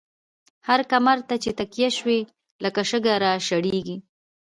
هر کمر ته چی تکيه شو، لکه شګه را شړيږی